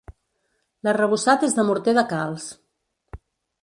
L'arrebossat és de morter de calç.